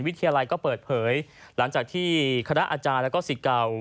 วิทยาลัยก็เปิดเผยหลังจากที่คณะอาจารย์และก็สิทธิ์เก่า